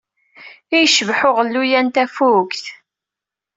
Ay yecbeḥ uɣelluy-a n tafukt.